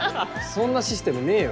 そんなシステムねえよ。